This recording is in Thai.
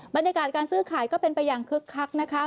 บรรยากาศการซื้อขายก็เป็นไปอย่างคึกคักนะคะ